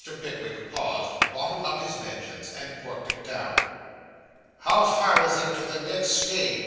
Pickwick paused, bottled up his vengeance, and corked it down. 'How far is it to the next stage?